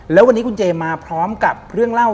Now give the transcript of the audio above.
แล้ววันนี้คุณเจมาพร้อมกับเรื่องเล่า